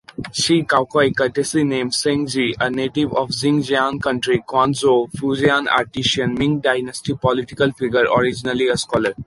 Shi Caocai, courtesy name Shengzhi, a native of Jinjiang County, Quanzhou, Fujian, artisan, Ming Dynasty political figure, originally a scholar.